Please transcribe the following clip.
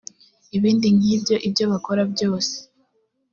n ibindi nk ibyo ibyo bakora byose